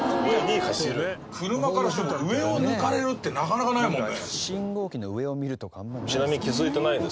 伊集院：車からすると上を抜かれるってなかなかないもんね。